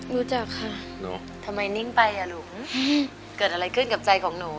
รู้จักค่ะทำไมนิ่งไปอ่ะลูกเกิดอะไรขึ้นกับใจของหนู